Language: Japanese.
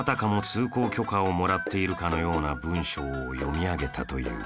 通行許可をもらっているかのような文章を読み上げたという